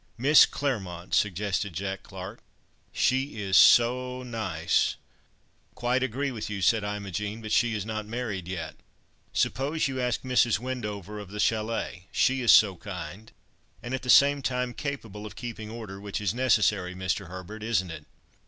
"Miss Claremont!" suggested Jack Clarke. "She is so nice." "Quite agree with you," said Imogen; "but she is not married yet. Suppose you ask Mrs. Wendover, of the Châlet, she is so kind, and, at the same time, capable of keeping order, which is necessary, Mr. Herbert, isn't it?"